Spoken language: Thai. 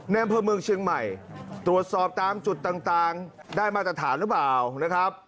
อำเภอเมืองเชียงใหม่ตรวจสอบตามจุดต่างได้มาตรฐานหรือเปล่านะครับ